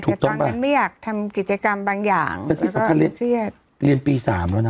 ถูกต้องป่ะไม่อยากทำกิจกรรมบางอย่างแล้วก็เครียดเรียนปีสามแล้วน่ะ